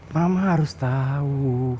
mama harus tau